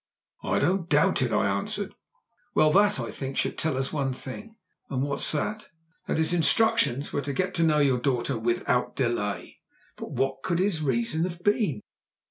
"I don't doubt it," I answered. "Well that, I think, should tell us one thing." "And what is that?" "That his instructions were to get to know your daughter without delay." "But what could his reason have been?"